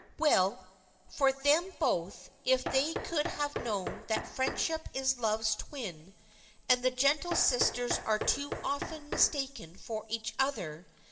Well for them both if they could have known that friendship is love's twin, and the gentle sisters are too often mistaken for each other.